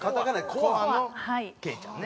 コアのケイちゃんね。